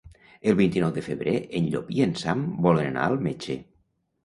El vint-i-nou de febrer en Llop i en Sam volen anar al metge.